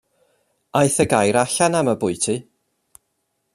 Aeth y gair allan am y bwyty.